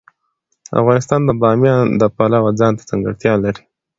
افغانستان د بامیان د پلوه ځانته ځانګړتیا لري.